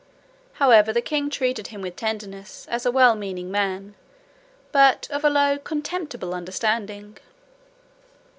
However, the king treated him with tenderness, as a well meaning man, but of a low contemptible understanding.